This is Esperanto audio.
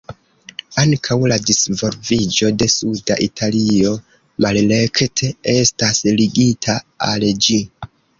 Ankaŭ la disvolviĝo de suda Italio malrekte estas ligita al ĝi.